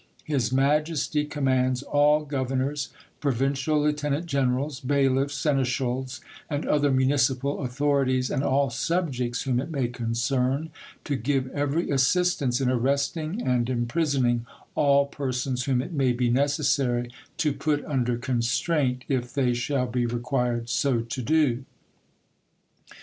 His majesty commands all governors, provincial lieutenant generals, bailiffs, seneschals, and other municipal authorities, and all subjects whom it may concern, to give every assistance in arresting and imprisoning all persons whom it may be necessary to put under constraint, if they shall be required so to do."